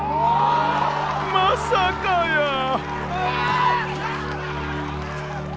まさかやー。